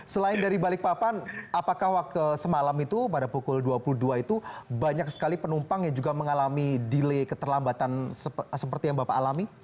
selain dari balikpapan apakah waktu semalam itu pada pukul dua puluh dua itu banyak sekali penumpang yang juga mengalami delay keterlambatan seperti yang bapak alami